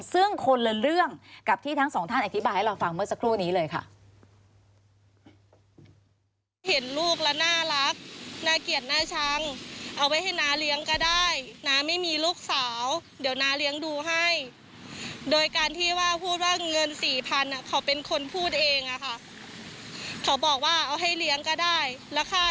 ซึ่งคนละเรื่องกับที่ทั้งสองท่านอธิบายให้เราฟังเมื่อสักครู่นี้เลยค่ะ